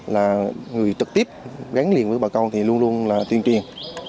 là người trực tiếp gắn liền với bà con thì luôn luôn là tuyên truyền